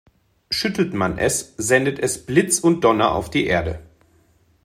Schüttelt man es, sendet es Blitz und Donner auf die Erde.